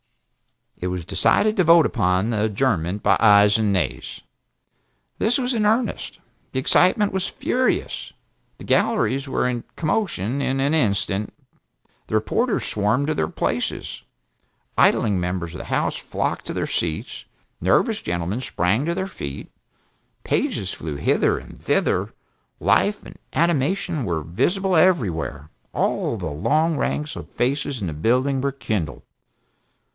It was decided to vote upon the adjournment by ayes and nays. This was in earnest. The excitement was furious. The galleries were in commotion in an instant, the reporters swarmed to their places. Idling members of the House flocked to their seats, nervous gentlemen sprang to their feet, pages flew hither and thither, life and animation were visible everywhere, all the long ranks of faces in the building were kindled.